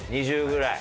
２０ぐらい。